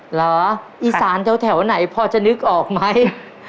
เหรออีสานแถวไหนพอจะนึกออกไหม